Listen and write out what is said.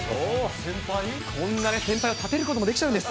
こんな、先輩を立てることもできちゃうんです。